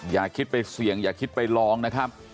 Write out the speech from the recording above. อย่าคิดไปเสี่ยงอย่าคิดไปลองนะครับ